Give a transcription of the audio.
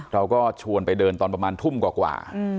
เราก็ชวนไปเดินตอนประมาณทุ่มกว่า